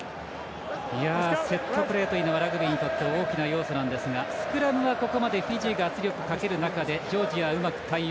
セットプレーというのはラグビーにとって大きな要素なんですがスクラムはここまでフィジーが圧力をかける中でジョージアがうまく対応。